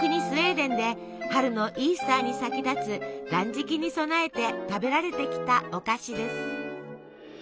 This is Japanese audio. スウェーデンで春のイースターに先立つ断食に備えて食べられてきたお菓子です。